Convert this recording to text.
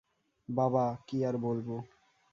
বাবা, কী আর বলব।